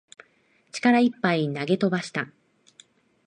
力いっぱい投げ飛ばした